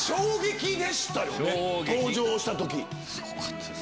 すごかったです。